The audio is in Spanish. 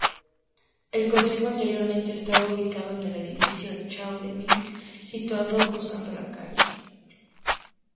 El Consejo anteriormente estaba ubicado en el edificio Charlemagne situado cruzando la calle.